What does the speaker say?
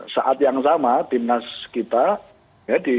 saat yang sama timnas kita sudah diwarnai dengan rekrutmen banyak yang naturalisasi